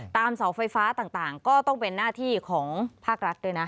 เสาไฟฟ้าต่างก็ต้องเป็นหน้าที่ของภาครัฐด้วยนะ